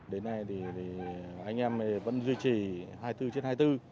đến nay thì anh em vẫn duy trì hai mươi bốn trên hai mươi bốn